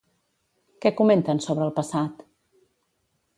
Què comenten sobre el passat?